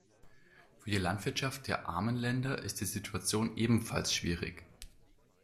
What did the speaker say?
Für die Landwirtschaft der armen Länder ist die Situation ebenfalls schwierig.